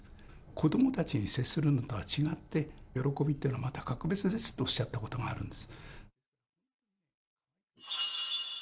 子どもたちに接するのとは違って、喜びっていうのは格別ですとおっしゃったことがあるんです。